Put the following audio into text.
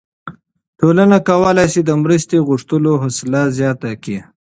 ټولنه کولی شي د مرستې غوښتلو حوصله زیاته کړي.